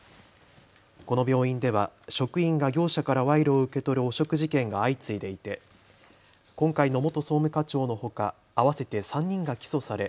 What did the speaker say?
この病院では職員が業者から賄賂を受け取る汚職事件が相次いでいて今回の元総務課長のほか合わせて３人が起訴され